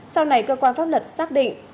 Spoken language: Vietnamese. sau này cơ quan pháp luật xác định